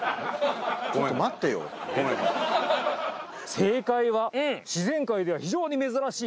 正解は自然界では非常に珍しい